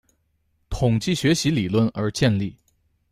统计学习理论而建立。